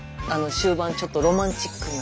終盤ちょっとロマンチックな。